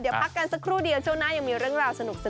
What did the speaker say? เดี๋ยวพักกันสักครู่เดียวช่วงหน้ายังมีเรื่องราวสนุก